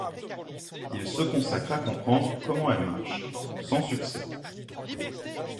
Il se consacre à comprendre comment elle marche, sans succès.